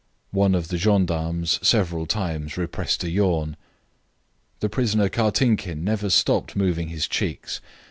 One of the gendarmes several times repressed a yawn. The prisoner Kartinkin never stopped moving his cheeks.